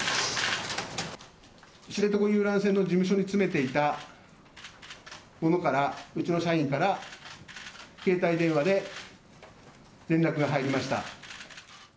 知床遊覧船の事務所に詰めていた者から、うちの社員から、携帯電話で連絡が入りました。